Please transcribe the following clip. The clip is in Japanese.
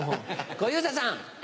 小遊三さん。